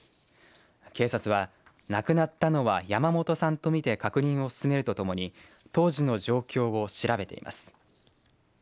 警察は亡くなったのは山本さんと見て確認を進めるとともに当時の状況を調べています。